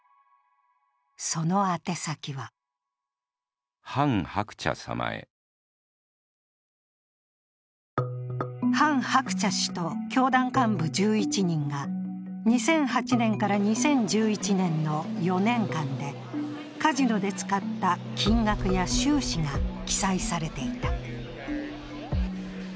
その宛て先はハン・ハクチャ氏と教団幹部１１人が２００８年から２０１１年の４年間で、カジノで使った金額や収支が記載されていた。